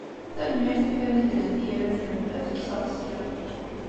Tanemmirt a Farid n At Yiraten, ad t-kkseɣ s ya.